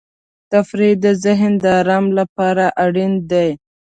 تفریح د ذهن د آرام لپاره اړین دی.